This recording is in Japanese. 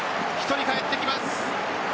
１人かえってきます。